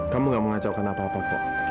kamu gak mau ngacaukan apa apa kok